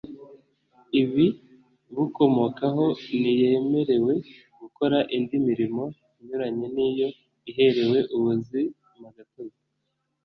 ibibukomokaho Ntiyemerewe gukora indi mirimo inyuranye n iyo iherewe ubuzimagatozi